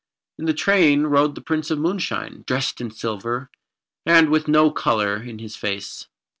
In the train rode the Prince of Moonshine, dressed in silver, and with no colour in his face.